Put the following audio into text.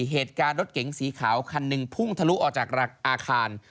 เหตุการณ์รถเก๋งสีขาวคันหนึ่งพุ่งทะลุออกจากอาคาร